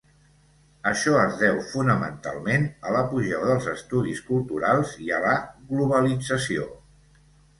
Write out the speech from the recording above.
Això es deu, fonamentalment, a l'apogeu dels estudis culturals i a la globalització.